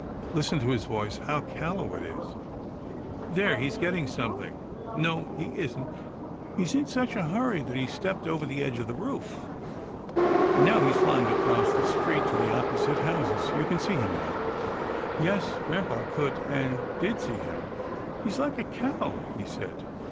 Listen to his voice, how callow it is. There — he's getting something. No, he isn't — he's in such a hurry that he's stepped over the edge of the roof. GRAMPA'S DRIVE 145 Now he's flying across the street to the opposite houses. You can see him now." Yes, grampa could and did see him. " He's like a crow," he said.